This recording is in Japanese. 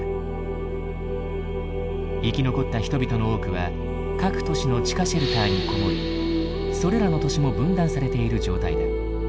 生き残った人々の多くは各都市の地下シェルターに籠もりそれらの都市も分断されている状態だ。